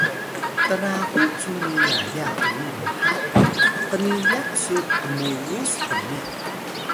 trahu cu ni yaya uyi mha qniyat su kmugus pniq